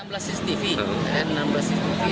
ada enam belas cctv dari